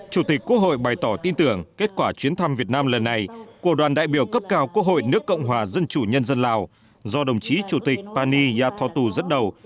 chủ tịch quốc hội bày tỏ tin tưởng kết quả chuyến thăm việt nam lần này của đoàn đại biểu cấp cao quốc hội nước cộng hòa dân chủ nhân dân lào do đồng chí chủ tịch pani yathotu dẫn đầu